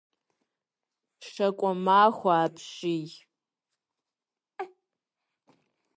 Щакӏуэмахуэ апщий.